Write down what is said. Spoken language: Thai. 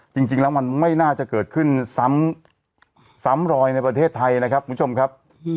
จริงแล้วมันไม่น่าจะเกิดขึ้นซ้ำซ้ำรอยในประเทศไทยนะครับคุณผู้ชมครับ